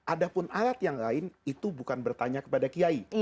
ada pun alat yang lain itu bukan bertanya kepada kiai